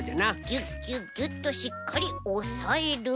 ギュッギュッギュッとしっかりおさえる。